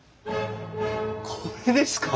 これですか？